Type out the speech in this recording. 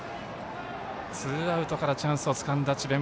ツーアウトからチャンスをつかんだ智弁